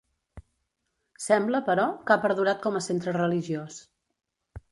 Sembla, però, que ha perdurat com a centre religiós.